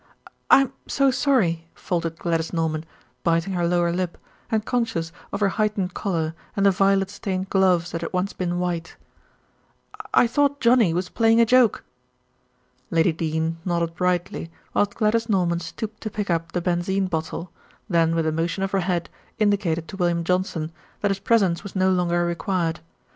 "I'm so sorry," faltered Gladys Norman, biting her lower lip, and conscious of her heightened colour and the violet stained gloves that had once been white. "I thought Johnnie was playing a joke." Lady Dene nodded brightly, whilst Gladys Norman stooped to pick up the benzine bottle, then with a motion of her head indicated to William Johnson that his presence was no longer required.